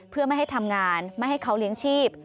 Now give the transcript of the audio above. เพื่อไม่ให้ทำงานไม่ให้เขาเลี้ยงชีพ